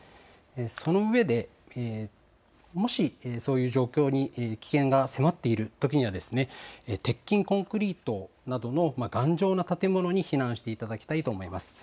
その上で、もしそういう状況に、危険が迫っているときには、鉄筋コンクリートなどの頑丈な建物に避難していただきたいと思います。